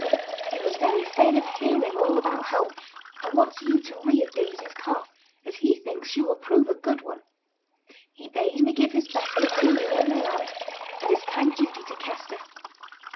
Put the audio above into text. He was very fain of hearing all about home; and wants you to rear Daisy's calf, as he thinks she will prove a good one. He bade me give his best love to you and my aunt, and his kind duty to Kester.